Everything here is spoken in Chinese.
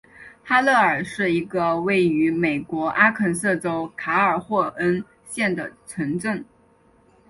哈勒尔是一个位于美国阿肯色州卡尔霍恩县的城镇。